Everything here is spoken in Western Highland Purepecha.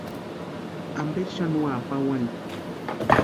Amperi xani úa pawani.